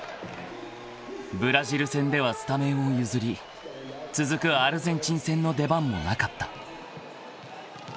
［ブラジル戦ではスタメンを譲り続くアルゼンチン戦の出番もなかった］